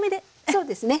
そうですね